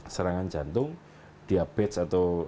serangan jantung diabetes atau